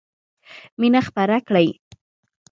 مینه خپره کړئ!